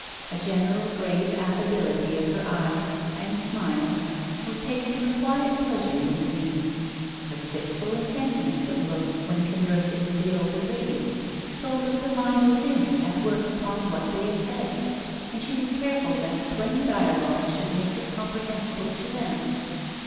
A general grave affability of her eyes and smiles was taken for quiet pleasure in the scene. Her fitful intentness of look when conversing with the older ladies told of the mind within at work upon what they said, and she was careful that plain dialogue should make her comprehensible to them.